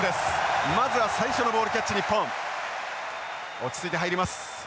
落ち着いて入ります。